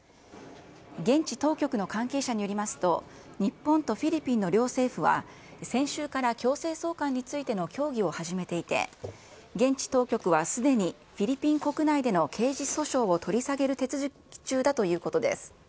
現地当局の関係者によりますと、日本とフィリピンの両政府は、先週から強制送還についての協議を始めていて、現地当局はすでにフィリピン国内での刑事訴訟を取り下げる手続き中だということです。